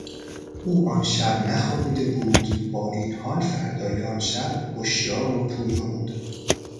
او آن شب نخوابیده بود بااین حال فردای آن شب هشیار و پویا بود.